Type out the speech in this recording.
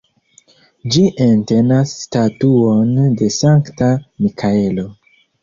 Ĝi entenas statuon de Sankta Mikaelo.